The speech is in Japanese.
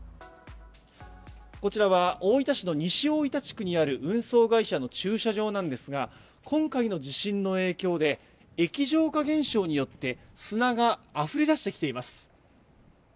こちらは大分市の西大分地区にある運送会社の駐車場なんですが、今回の地震の影響で液状化現象によって、砂が溢れ出してきています。